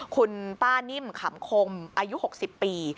คุณป้านิ่มขำคมอายุ๖๐ปี